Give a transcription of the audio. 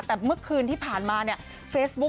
แต่เมื่อคืนที่ผ่านมาเนี่ย